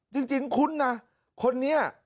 จริงคุ้นนะคนนี้